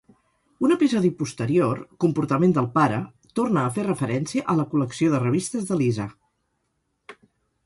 Un episodi posterior, "Comportament del pare", torna a fer referència a la col·lecció de revistes de Lisa.